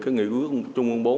cái nghị ước trung ương bốn